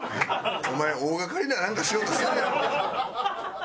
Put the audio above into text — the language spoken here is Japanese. お前大がかりななんかしようとしてるやんけ！